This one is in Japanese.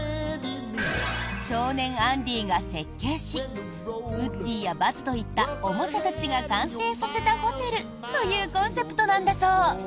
少年・アンディが設計しウッディやバズといったおもちゃたちが完成させたホテルというコンセプトなんだそう。